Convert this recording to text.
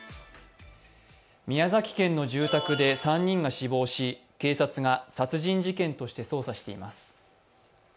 宮崎県の住宅で３人が死亡し、警察が殺人事件として捜査しています。